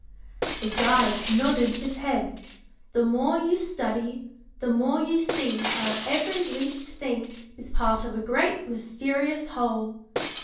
The guide nodded his head. "The more you study, the more you see how every least thing is part of a great mysterious whole.